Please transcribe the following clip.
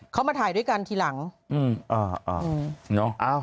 เขามาถ่ายด้วยกันทีหลัง